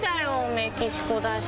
メキシコだし。